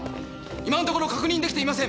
今のところ確認出来ていません！